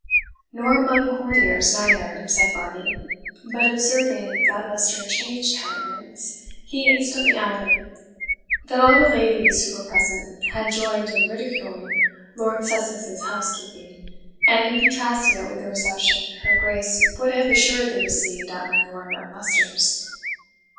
"Nor among courtiers neither," said Varney; but, observing that Leicester changed countenance, he instantly added, "that all the ladies who were present had joined in ridiculing Lord Sussex's housekeeping, and in contrasting it with the reception her Grace would have assuredly received at my Lord of Leicester's."